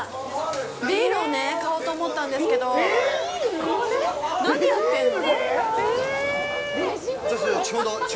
ビールをね、買おうと思ったんですけど、何やってんの！？